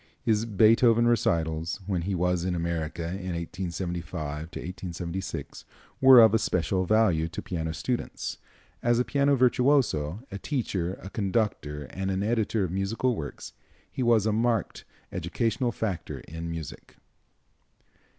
His Beethoven recitals, when he was in America in 1875 6, were of especial value to piano students. As a piano virtuoso, a teacher, a conductor and an editor of musical works, he was a marked educational factor in music.